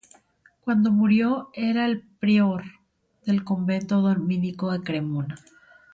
Cuando murió era el prior del convento dominico de Cremona.